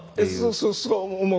そうそう。